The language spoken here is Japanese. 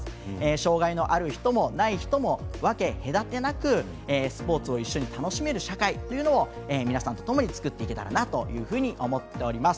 障がいのある人もない人も分け隔てなくスポーツを一緒に楽しめる社会というのを皆さんとともに作っていけたらなというふうに思っております。